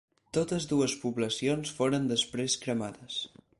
Totes dues poblacions foren després cremades.